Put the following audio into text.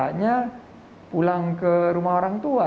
akhirnya pulang ke rumah orang tua